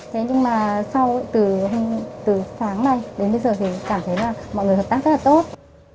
thế nhưng mà từ sáng nay đến bây giờ thì cảm thấy là mọi người hợp tác rất là tốt